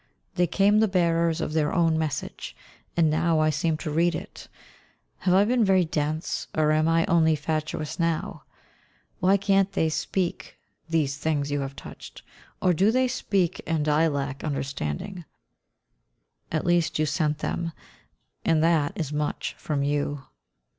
They came the bearers of their own message, and now I seem to read it. Have I been very dense, or am I only fatuous now? Why can't they speak, these things you have touched, or do they speak and I lack understanding? At least you sent them, and that is much from you.